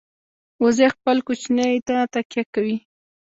وزې خپل کوچني ته تکیه کوي